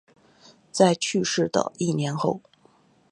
在去世的一年后